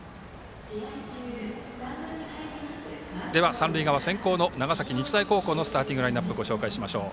三塁側、先攻の長崎日大のスターティングラインナップご紹介しましょう。